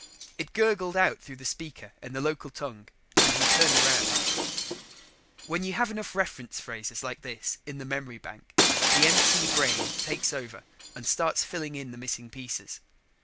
It gurgled out through the speaker in the local tongue and he turned around. When you get enough reference phrases like this in the memory bank, the MT brain takes over and starts filling in the missing pieces.